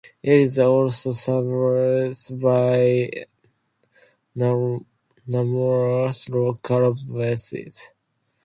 It is also served by numerous local buses.